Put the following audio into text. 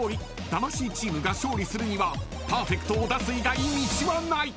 ［魂チームが勝利するにはパーフェクトを出す以外道はない］